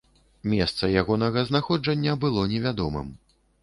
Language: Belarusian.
Месца ягонага знаходжання было невядомым.